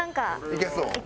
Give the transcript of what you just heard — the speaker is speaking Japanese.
いけそう。